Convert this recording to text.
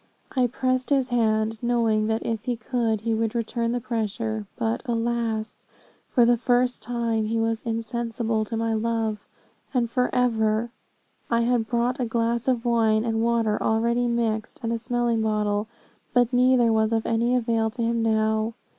I pressed his hand, knowing that if he could, he would return the pressure; but, alas! for the first time, he was insensible to my love, and forever. I had brought a glass of wine and water already mixed, and a smelling bottle, but neither was of any avail to him now.